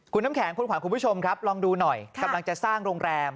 คุณน้ำแข็งคุณขวัญคุณผู้ชมครับลองดูหน่อยกำลังจะสร้างโรงแรม